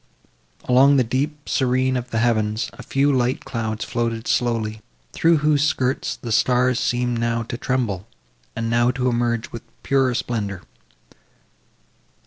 Along the deep serene of the heavens, a few light clouds floated slowly, through whose skirts the stars now seemed to tremble, and now to emerge with purer splendour.